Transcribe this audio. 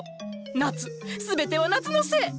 夏全ては夏のせい！